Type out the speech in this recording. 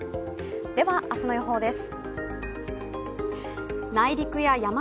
では、明日の予報です。